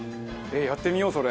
やってみようそれ。